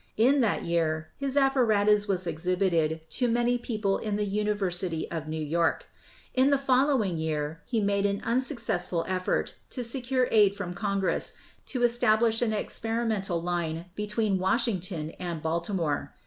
In that year his apparatus was exhibited to many people in the University of New York. In the following year he made an unsuccessful effort to secure aid from Congress to establish an experimental line between Wash ington and Baltimore.